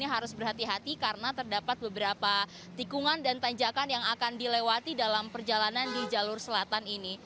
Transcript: harus berhati hati karena terdapat beberapa tikungan dan tanjakan yang akan dilewati dalam perjalanan di jalur selatan ini